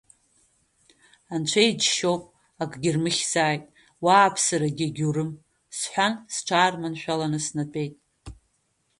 Анцәа иџьшьоуп, акгьы рмыхьзааит, уааԥсазаргьы егьаурым, — сҳәан, сҽырманшәаланы снатәеит.